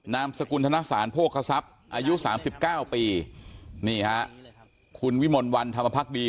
นามสกุลธนสารโภคศัพท์อายุ๓๙ปีคุณวิมลวันธรรมพักดี